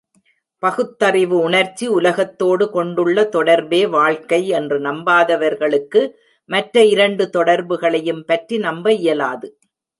பகுத்தறிவு உணர்ச்சி உலகத்தோடு கொண்டுள்ள தொடர்பே வாழ்க்கை என்று நம்பாதவர்களுக்கு, மற்ற இரண்டு தொடர்புகளையும் பற்றி நம்ப இயலாது.